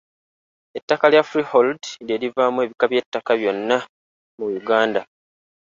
Ettaka lya freehold lye livaamu ebika by’ettaka byonna mu Uganda.